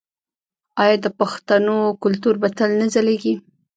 آیا د پښتنو کلتور به تل نه ځلیږي؟